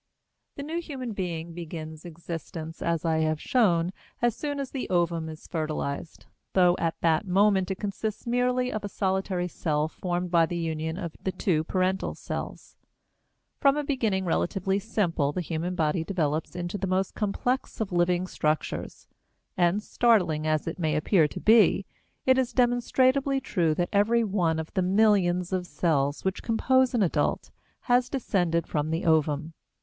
The new human being begins existence, as I have shown, as soon as the ovum is fertilized, though at that moment it consists merely of a solitary cell formed by the union of the two parental cells. From a beginning relatively simple the human body develops into the most complex of living structures; and, startling as it may appear to be, it is demonstrably true that every one of the millions of cells which compose an adult has descended from the ovum.